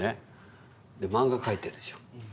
マンガ描いてるでしょ。